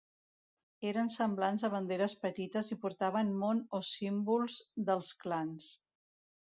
Eren semblants a banderes petites i portaven mon o símbols dels clans.